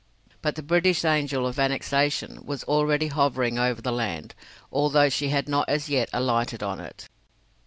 But the British Angel of Annexation was already hovering over the land, although she had not as yet alighted on it.